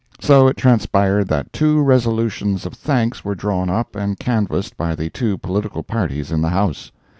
So it transpired that two resolutions of thanks were drawn up and canvassed by the two political parties in the House.